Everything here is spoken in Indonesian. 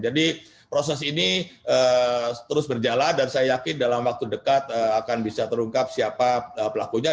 jadi proses ini terus berjalan dan saya yakin dalam waktu dekat akan bisa terungkap siapa pelakunya